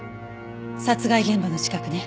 殺害現場の近くね。